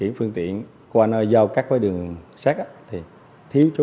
việc mất hiesz cơ quan osb là do người quân ngoại thi listen xúc tính